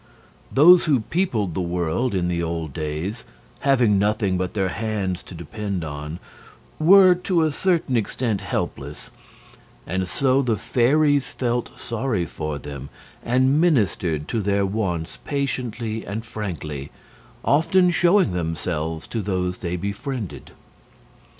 Those who peopled the world in the old days, having nothing but their hands to depend on, were to a certain extent helpless, and so the fairies were sorry for them and ministered to their wants patiently and frankly, often showing themselves to those they befriended.